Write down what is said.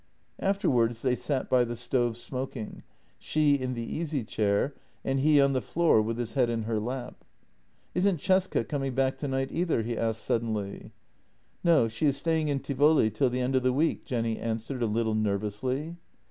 Afterwards they sat by the stove smoking, she in the easy chair and he on the floor with his head in her lap. " Isn't Cesca coming back tonight either? " he asked sud denly. " No; she is staying in Tivoli till the end of the week," Jenny answered a little nervously.